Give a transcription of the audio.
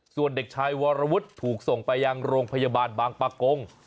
ส่วนเด็กชายวรวุฒิถูกส่งไปยังโรงพยาบาลบางปะกง